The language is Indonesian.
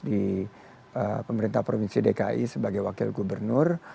di pemerintah provinsi dki sebagai wakil gubernur